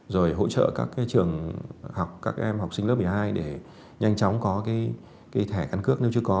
rồi hỗ trợ các trường học các em học sinh lớp một mươi hai để nhanh chóng có thẻ căn cước nếu chưa có